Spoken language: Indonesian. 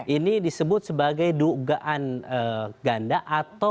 ini disebut sebagai dugaan ganda atau